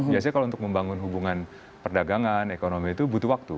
biasanya kalau untuk membangun hubungan perdagangan ekonomi itu butuh waktu